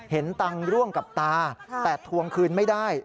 เห็นตังค์ร่วงกับตาแต่ทวงคืนไม่ได้